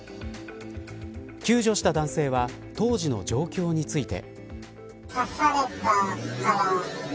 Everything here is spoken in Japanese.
救助した男性は当時の状況について。